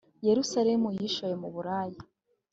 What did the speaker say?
yerusalemu yishoye mu buraya